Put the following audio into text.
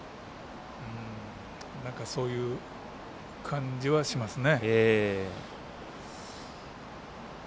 そういう感じはしますね。